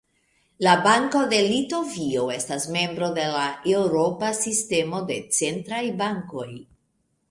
La Banko de Litovio estas membro de la Eŭropa Sistemo de Centraj Bankoj.